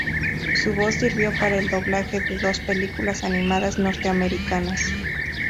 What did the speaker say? Su voz sirvió para el doblaje de dos películas animadas norteamericanas.